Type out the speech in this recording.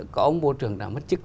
có ông bộ trưởng đã mất chức về